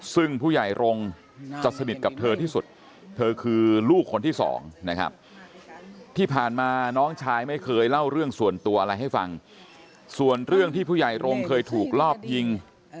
ซึ่งผู้ใหญ่รงค์จะสนิทกับเธอที่สุดเธอคือลูกคนที่สองนะครับที่ผ่านมาน้องชายไม่เคยเล่าเรื่องส่วนตัวอะไรให้ฟังส่วนเรื่องที่ผู้ใหญ่รงค์เคยถูกรอบยิง